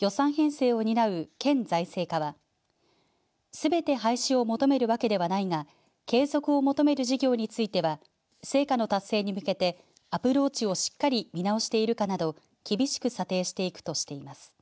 予算編成を担う県財政課はすべて廃止を求めるわけではないが継続を求める事業については成果の達成に向けてアプローチをしっかり見直しているかなど厳しく査定していくとしています。